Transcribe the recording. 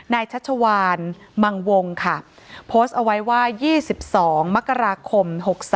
ชัชวานมังวงค่ะโพสต์เอาไว้ว่า๒๒มกราคม๖๓